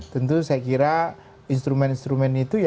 tentu saya kira instrumen instrumen itu ya